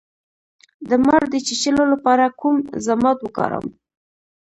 د مار د چیچلو لپاره کوم ضماد وکاروم؟